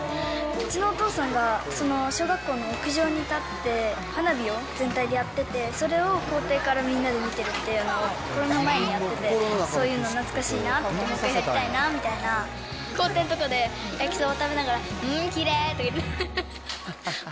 うちのお父さんが、小学校の屋上に立って、花火を全体でやってて、それを校庭からみんなで見てるっていうのをコロナ前にやってて、そういうの懐かしいなって、もう一回やりたいなっていうので、校庭のとこで、焼きそば食べながら、うーん、きれい。